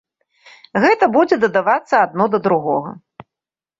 Гэта будзе дадавацца адно да другога.